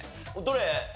どれ？